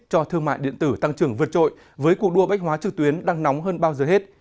cho thương mại điện tử tăng trưởng vượt trội với cuộc đua bách hóa trực tuyến đang nóng hơn bao giờ hết